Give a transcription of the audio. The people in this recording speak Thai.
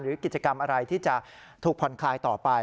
กิจกรรมอะไรที่จะถูกผ่อนคลายต่อไป